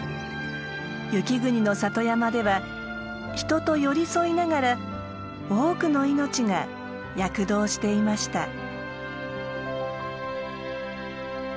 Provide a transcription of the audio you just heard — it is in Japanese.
雪国の里山では人と寄り添いながら多くの命が躍動していました。